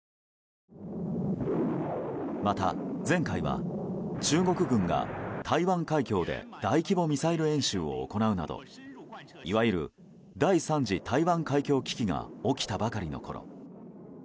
また前回は中国軍が台湾海峡で大規模ミサイル演習を行うなどいわゆる第３次台湾海峡危機が起きたばかりのころ。